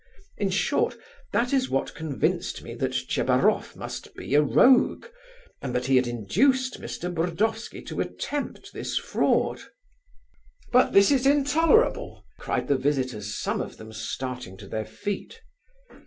In short, that is what convinced me that Tchebaroff must be a rogue, and that he had induced Mr. Burdovsky to attempt this fraud." "But this is intolerable!" cried the visitors, some of them starting to their feet.